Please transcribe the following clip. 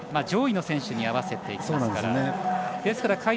上位の選手に合わせていきますから。